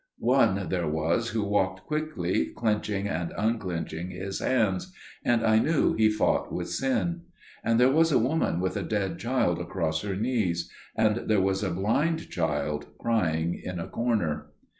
One there was who walked quickly, clenching and unclenching his hands, and I knew he fought with sin. And there was a woman with a dead child across her knees; and there was a blind child crying in a corner.